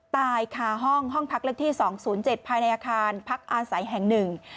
ตายคาห้องห้องพักเลขที่๒๐๗ภายในอาคารพักอาศัยแห่งหนึ่ง